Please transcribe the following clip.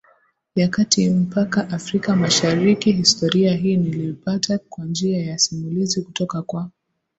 ya kati mpaka Afrika masharikiHistoria hii niliipata kwa njia ya simulizi kutoka kwa